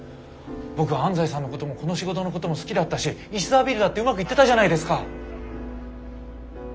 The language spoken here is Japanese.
僕は安西さんのこともこの仕事のことも好きだったし石沢ビールだってうまくいってたじゃないですか。